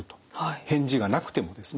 返事がなくてもですね。